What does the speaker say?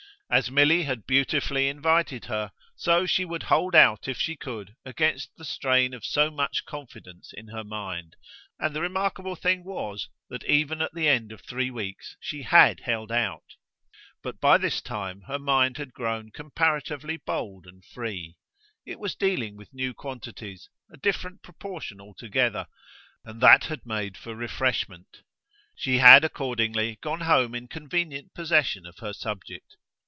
As Milly had beautifully invited her, so she would hold out if she could against the strain of so much confidence in her mind; and the remarkable thing was that even at the end of three weeks she HAD held out. But by this time her mind had grown comparatively bold and free; it was dealing with new quantities, a different proportion altogether and that had made for refreshment: she had accordingly gone home in convenient possession of her subject.